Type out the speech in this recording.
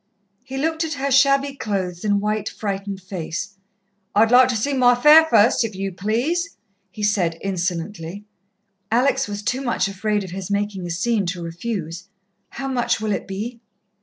He looked at her shabby clothes and white, frightened face. "I'd like to see my fare, first, if you please," he said insolently. Alex was too much afraid of his making a scene to refuse. "How much will it be?"